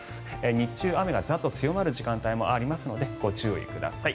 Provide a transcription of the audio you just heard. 日中、雨がザッと強まる時間帯もありますのでご注意ください。